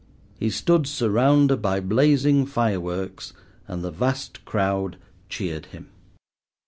He stood surrounded by blazing fireworks, and the vast crowd cheered him.